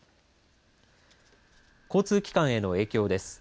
交通機関への影響です。